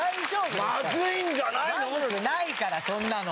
まずくないからそんなの。